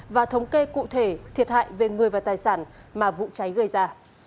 và thống kê cụ thể thiệt hại về người và tài sản mà vụ cháy gây ra